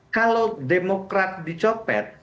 kalau demokrat dicopet